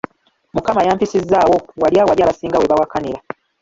Mukama yampisizzaawo wali awabi abasinga we baawakanira.